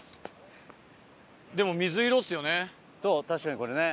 そう確かにこれね。